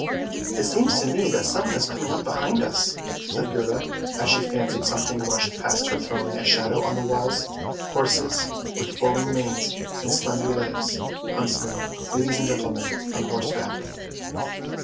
" It seems to me that someone is coming up behind us," said Gerda, as she fancied something rushed past her throwing a shadow on the walls; horses with flowing manes and slender legs; huntsmen, ladies and gentlemen, on horseback.